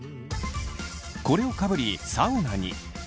これをかぶりサウナに。